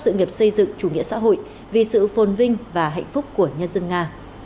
sự nghiệp xây dựng chủ nghĩa xã hội vì sự phồn vinh và hạnh phúc của nhân dân nga